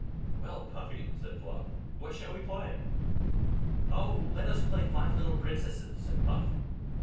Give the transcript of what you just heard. "Well, Puffy," said Fluff, "what shall we play?" "Oh! let us play 'Five Little Princesses'!" said Puff.